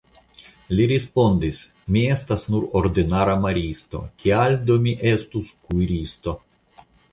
li respondis, mi estas nur ordinara maristo, kial do mi estus kuiristo?